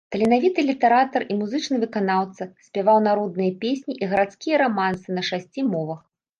Таленавіты літаратар і музычны выканаўца, спяваў народныя песні і гарадскія рамансы на шасці мовах.